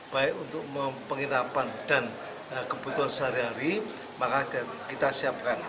baik untuk penginapan dan kebutuhan sehari hari maka kita siapkan